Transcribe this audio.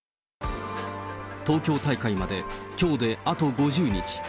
東京大会まできょうであと５０日。